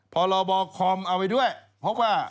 พรบคอมเอาไว้ด้วยเพราะว่า